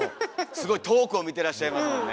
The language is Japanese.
すごい遠くを見てらっしゃいますもんね。